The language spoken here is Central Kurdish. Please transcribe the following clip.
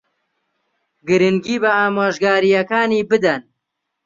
گرنگی بە ئامۆژگارییەکانی بدەن.